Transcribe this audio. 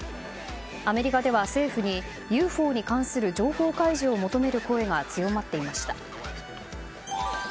アメリカでは政府にＵＦＯに関する情報開示を求める声が強まっていました。